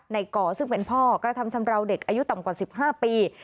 ก่อซึ่งเป็นพ่อกระทำชำราวเด็กอายุต่ำกว่า๑๕ปี